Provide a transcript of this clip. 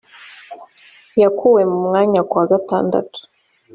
yakuwe mu mwanya ku wa gatandatu